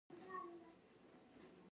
ولې د یوه عمل او پېښې لامل پوښتي.